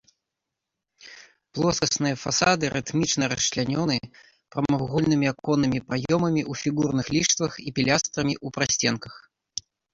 Плоскасныя фасады рытмічна расчлянёны прамавугольнымі аконнымі праёмамі ў фігурных ліштвах і пілястрамі ў прасценках.